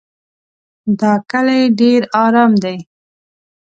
دا کلی ډېر ارام دی.